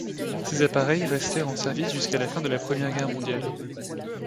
Ces appareils restèrent en service jusqu'à la fin de la Première Guerre mondiale.